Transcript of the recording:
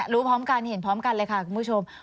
รู้พร้อมกันเห็นพร้อมกันเลยค่ะคุณผู้ชม